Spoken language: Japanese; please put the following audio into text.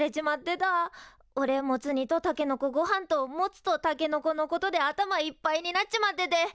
おれモツ煮とたけのこごはんとモツとたけのこのことで頭いっぱいになっちまってて。